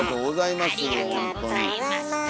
ありがとうございます。